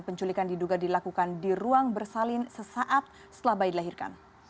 penculikan diduga dilakukan di ruang bersalin sesaat setelah bayi dilahirkan